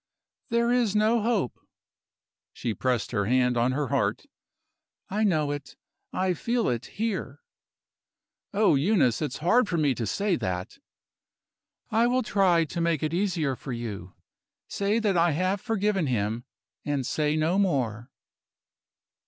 "There is no hope." She pressed her hand on her heart. "I know it, I feel it, here." "Oh, Eunice, it's hard for me to say that!" "I will try to make it easier for you. Say that I have forgiven him and say no more."